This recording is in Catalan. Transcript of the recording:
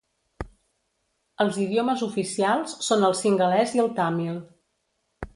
Els idiomes oficials són el cingalès i el tàmil.